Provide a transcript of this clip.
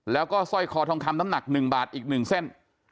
แล้วก็สร้อยคอทองคำน้ำหนัก๑บาทอีก๑เส้น